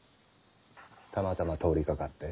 たまたま通りかかって。